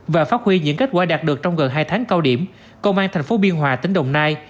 và phát huy những kết quả đạt được trong gần hai tháng cao điểm công an tp biên hòa tỉnh đồng nai